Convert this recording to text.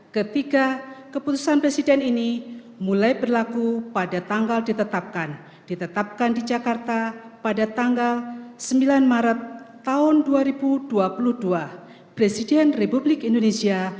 memegang teguh undang undang dasar negara republik indonesia